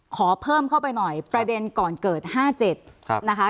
ขอเพิ่มเข้าไปหน่อยประเด็นก่อนเกิด๕๗นะคะ